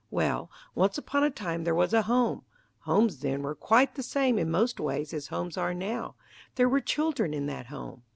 Well, once upon a time there was a home homes then were quite the same in most ways as homes are now there were children in that home.